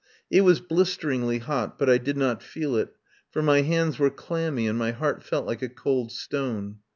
It was blisteringly hot, but I did not feel it, for my hands were clammy and my heart felt like a cold stone.